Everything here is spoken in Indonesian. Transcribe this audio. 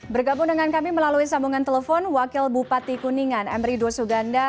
bergabung dengan kami melalui sambungan telepon wakil bupati kuningan emrido suganda